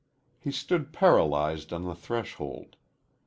He stood paralyzed on the threshold.